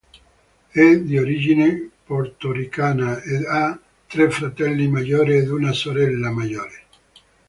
È di origine portoricana ed ha tre fratelli maggiori ed una sorella maggiore.